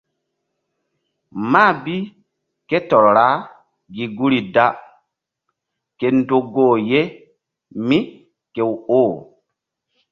Mah bi ké tɔr ra gi guri da ke ndo goh ye mí kew oh.